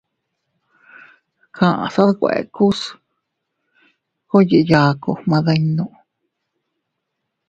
Kaʼsa dkuekus koo yiʼi yaaku gmadinnu.